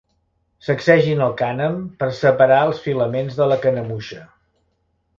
Sacsegin el cànem per separar els filaments de la canemuixa.